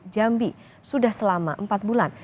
jambi sudah selama empat bulan